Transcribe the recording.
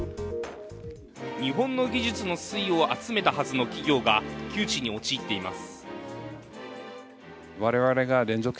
日本の技術の粋を集めたはずの企業が窮地に陥っています。